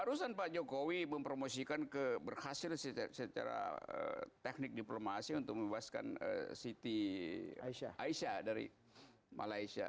barusan pak jokowi mempromosikan ke berhasil secara teknik diplomasi untuk membebaskan siti aisyah dari malaysia